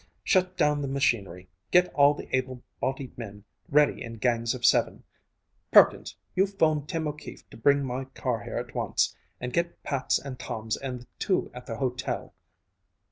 Shut down the machinery. Get all the able bodied men ready in gangs of seven. Perkins, you 'phone Tim O'Keefe to bring my car here at once. And get Pat's and Tom's and the two at the hotel."